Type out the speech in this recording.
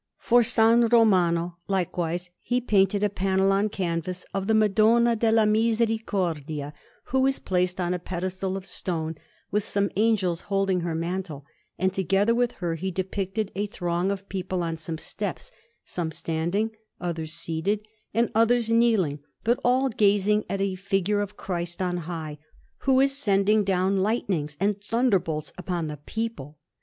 For S. Romano, likewise, he painted a panel on canvas of the Madonna della Misericordia, who is placed on a pedestal of stone, with some angels holding her mantle; and together with her he depicted a throng of people on some steps, some standing, others seated, and others kneeling, but all gazing at a figure of Christ on high, who is sending down lightnings and thunderbolts upon the people.